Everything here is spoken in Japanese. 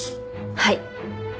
はい。